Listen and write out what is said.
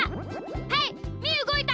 はいみーうごいた！